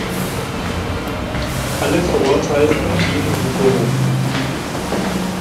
Alle Verurteilten gingen in Berufung.